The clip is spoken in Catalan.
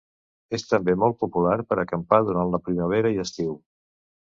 És també molt popular per acampar durant la primavera i estiu.